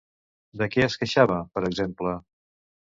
De què es queixava, per exemple?